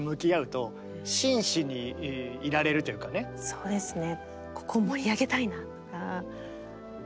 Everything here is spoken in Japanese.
そうですね。